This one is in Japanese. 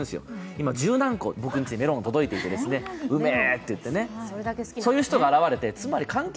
今、十何個、僕のうちにメロンが届いていて、うめぇと思っていて、そういう人が現れて。